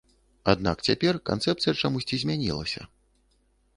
Аднак цяпер канцэпцыя чамусьці змянілася.